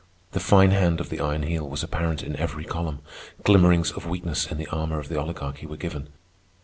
The fine hand of the Iron Heel was apparent in every column. Glimmerings of weakness in the armor of the Oligarchy were given.